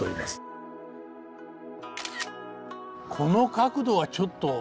この角度はちょっと。